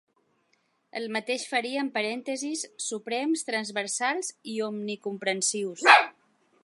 El mateix faria amb parèntesis suprems transversals i omnicomprensius.